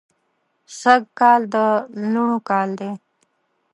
سږ کال د لوڼو کال دی